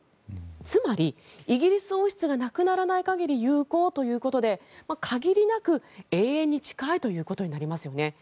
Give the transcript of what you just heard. つまり、イギリス王室がなくならない限り有効ということで限りなく永遠に近いということになりますよね。